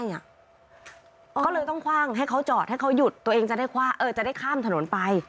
ก็เลยต้องคว่างให้เขาจอดให้เขาหยุดตัวเองจะได้ข้ามถนนไป